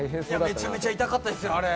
めちゃめちゃ痛かったです、あれ。